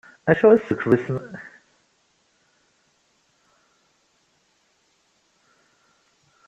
D acu i s-d-tessukseḍ i Smawil Waɛmaṛ U Belḥaǧ?